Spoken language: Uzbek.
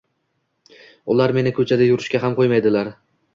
Ular meni koʻchada yurishga ham qoʻymaydilar.